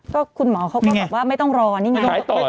ก็คุณหมอเขาก็บอกว่าไม่ต้องรอนี่ไง